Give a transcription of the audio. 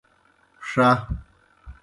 ݜہ۔